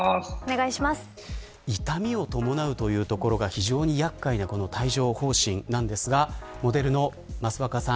痛みを伴うというところが非常に厄介な帯状疱疹なんですがモデルの益若さん